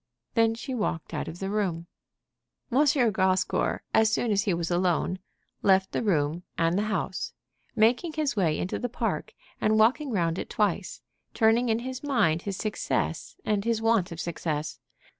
Then she walked out of the room. M. Grascour, as soon as he was alone, left the room and the house, and, making his way into the park, walked round it twice, turning in his mind his success and his want of success.